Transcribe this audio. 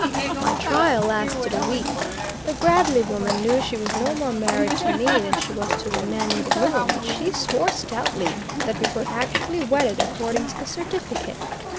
My trial lasted a week. The Bradley woman knew she was no more married to me than she was to the man in the moon; but she swore stoutly that we were actually wedded according to the certificate.